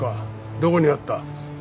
どこにあった？